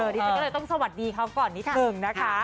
ได้เลยต้องสวัสดีเขาก่อนนี้ค่ะ